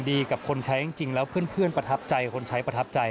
กับคนใช้จริงแล้วเพื่อนประทับใจคนใช้ประทับใจ